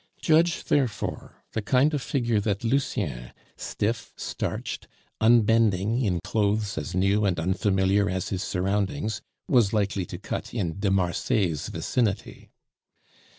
Judge, therefore, the kind of figure that Lucien, stiff, starched, unbending in clothes as new and unfamiliar as his surroundings, was likely to cut in de Marsay's vicinity.